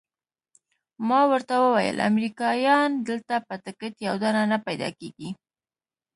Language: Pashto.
ما ورته وویل امریکایان دلته په ټکټ یو دانه نه پیدا کیږي.